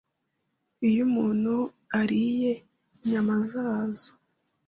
Iyo umuntu ariye inyama zazo